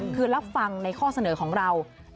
คือรับฟังในข้อเสนอของเรา